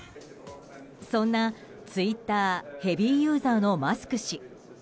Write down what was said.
そんなツイッターヘビーユーザーのマスク氏。